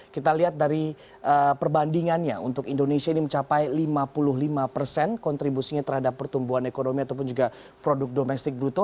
kita lihat dari perbandingannya untuk indonesia ini mencapai lima puluh lima persen kontribusinya terhadap pertumbuhan ekonomi ataupun juga produk domestik bruto